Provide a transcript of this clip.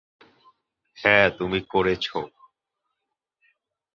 হ্যা, তুমি করছো।